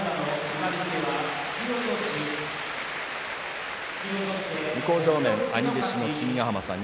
拍手向正面、兄弟子の君ヶ濱さん